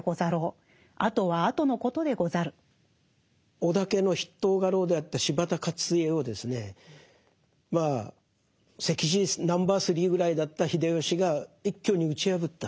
織田家の筆頭家老であった柴田勝家をですねまあ席次ナンバー３ぐらいだった秀吉が一挙に打ち破った。